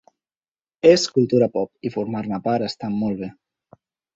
És cultura pop i formar-ne part està molt bé.